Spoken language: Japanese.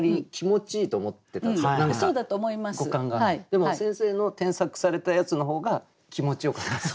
でも先生の添削されたやつの方が気持ちよかったです。